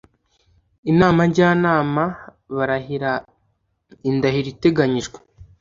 Inama njyanama barahira indahiro iteganyijwe